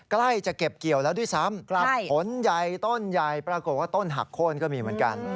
ใกล้จะเก็บเกี่ยวแล้วด้วยซ้ำกับผลใหญ่ต้นใหญ่ปรากฏว่าต้นหักโค้นก็มีเหมือนกัน